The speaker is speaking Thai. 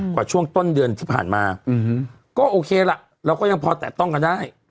กว่าช่วงต้นเดือนที่ผ่านมาก็โอเคล่ะเราก็ยังพอแตะต้องกันได้